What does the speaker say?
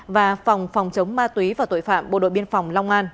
và phòng phòng chống ma túy và tội phạm bộ đội biên phòng long an